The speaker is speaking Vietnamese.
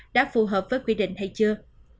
đã phù hợp với quy định hay chưa